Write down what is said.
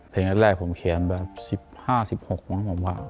เพลงแรกผมเขียนแบบ๑๕๑๖ของผมว่า